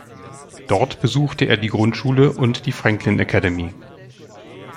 Dort besuchte er die Grundschule und die "Franklin Academy".